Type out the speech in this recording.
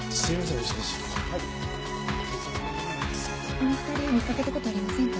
この２人見かけた事ありませんか？